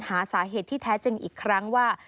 หาสาเหตุที่แท้จริงอีกครั้งว่า